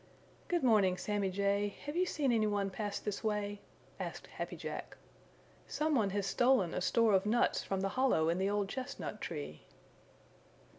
"Good morning, Sammy Jay, have you seen any one pass this way?" asked Happy Jack. "Some one has stolen a store of nuts from the hollow in the old chestnut tree."